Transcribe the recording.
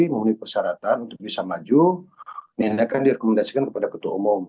memenuhi persyaratan untuk bisa maju dan akan direkomendasikan kepada ketua umum